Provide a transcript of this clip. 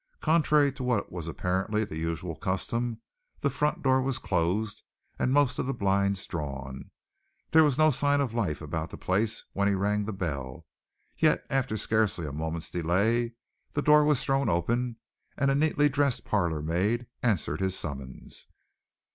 Contrary to what was apparently the usual custom, the front door was closed, and most of the blinds drawn. There was no sign of life about the place when he rang the bell. Yet after scarcely a moment's delay the door was thrown open, and a neatly dressed parlor maid answered his summons.